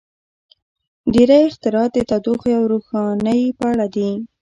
• ډېری اختراعات د تودوخې او روښنایۍ په اړه دي.